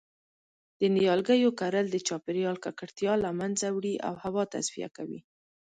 د نیالګیو کرل د چاپیریال ککړتیا له منځه وړی او هوا تصفیه کوی